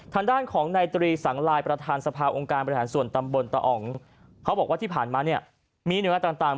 ทางด้านของนายตรีสังลายประธานสภาองค์การบริหารส่วนตำบลตะอ๋องเขาบอกว่าที่ผ่านมาเนี่ยมีหน่วยงานต่าง